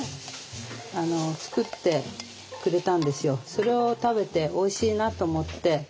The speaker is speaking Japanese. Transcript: それを食べておいしいなと思って。